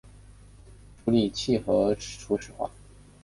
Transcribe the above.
处理器核初始化